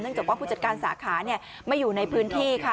จากว่าผู้จัดการสาขาไม่อยู่ในพื้นที่ค่ะ